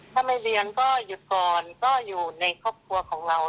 ถ้าไม่เรียนก็หยุดก่อนก็อยู่ในครอบครัวของเรา